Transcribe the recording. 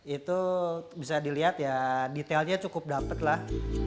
itu bisa dilihat ya detailnya cukup dapet lah